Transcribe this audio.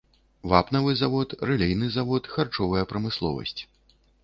Вапнавы завод, рэлейны завод, харчовая прамысловасць.